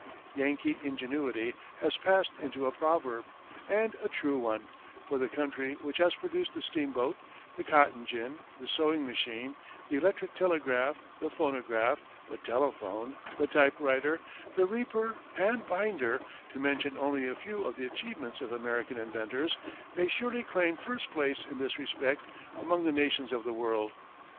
"Yankee ingenuity" has passed into a proverb, and a true one, for the country which has produced the steamboat, the cotton gin, the sewing machine, the electric telegraph, the phonograph, the telephone, the typewriter, the reaper and binder, to mention only a few of the achievements of American inventors, may surely claim first place in this respect among the nations of the world.